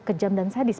kejam dan sadis